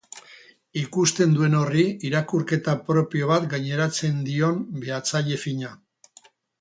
Ikusten duen horri irakurketa propio bat gaineratzen dion behatzaile fina.